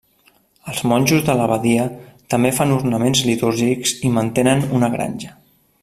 Els monjos de l'abadia també fan ornaments litúrgics i mantenen una granja.